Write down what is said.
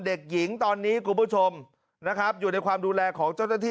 เด็กหญิงตอนนี้คุณผู้ชมนะครับอยู่ในความดูแลของเจ้าหน้าที่